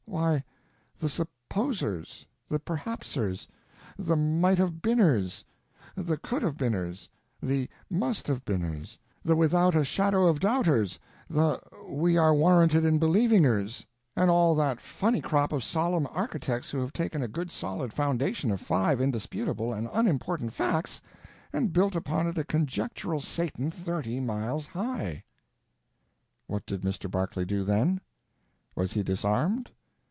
"Why, the Supposers, the Perhapsers, the Might Have Beeners, the Could Have Beeners, the Must Have Beeners, the Without a Shadow of Doubters, the We Are Warranted in Believingers, and all that funny crop of solemn architects who have taken a good solid foundation of five indisputable and unimportant facts and built upon it a Conjectural Satan thirty miles high." What did Mr. Barclay do then? Was he disarmed?